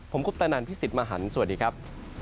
ผมคุปตะนันพี่สิทธิ์มหันฯสวัสดีครับ